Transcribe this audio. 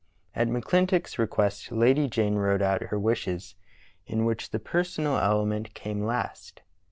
At McClintock's request Lady Jane wrote out her wishes, in which the personal element came last.